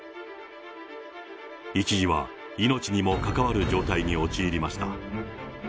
一時は命にも関わる状態に陥りました。